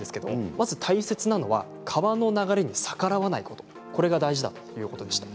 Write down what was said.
まず大切なのは川の流れに逆らわないことが大事だということでした。